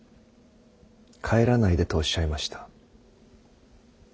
帰らないでとおっしゃいました。